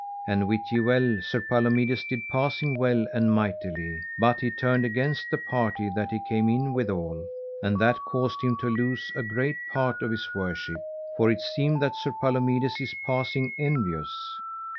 And wit ye well Sir Palomides did passing well and mightily; but he turned against the party that he came in withal, and that caused him to lose a great part of his worship, for it seemed that Sir Palomides is passing envious.